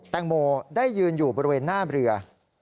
แตงโมได้ยืนอยู่บริเวณหน้าเรือ